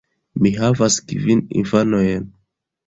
Mi havas kvin infanojn.